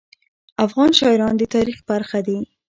افغان شاعران د تاریخ برخه دي.